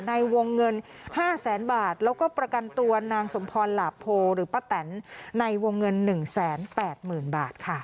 ในวงเงินห้าแสนบาทแล้วก็ประกันตัวนางสมพรหลาโพหรือประแตนในวงเงินหนึ่งแสนแปดหมื่นบาทค่ะ